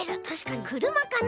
くるまかな？